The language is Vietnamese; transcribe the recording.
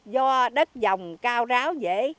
do đất dòng cao ráo dễ